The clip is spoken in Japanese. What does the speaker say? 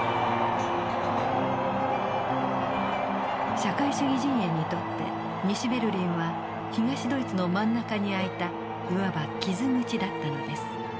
社会主義陣営にとって西ベルリンは東ドイツの真ん中に開いたいわば傷口だったのです。